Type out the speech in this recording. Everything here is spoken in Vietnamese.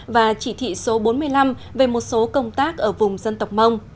và chỉ thị số bốn mươi năm về một số công tác ở vùng dân tộc mông